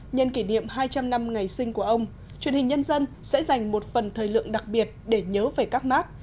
nhân kỷ niệm hai trăm linh năm ngày sinh của ông truyền hình nhân dân sẽ dành một phần thời lượng đặc biệt để nhớ về các mark